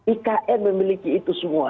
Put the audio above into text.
ikn memiliki itu semua